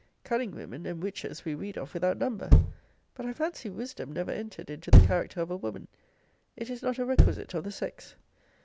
Cunning women and witches we read of without number. But I fancy wisdom never entered into the character of a woman. It is not a requisite of the sex.